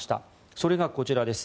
それがこちらです。